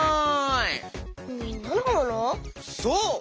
そう！